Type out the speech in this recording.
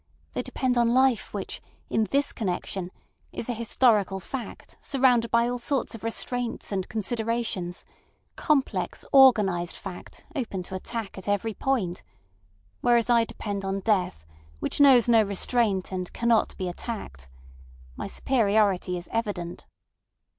They depend on life, which, in this connection, is a historical fact surrounded by all sorts of restraints and considerations, a complex organised fact open to attack at every point; whereas I depend on death, which knows no restraint and cannot be attacked. My superiority is evident."